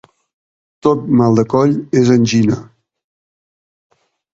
Tot mal de coll és angina.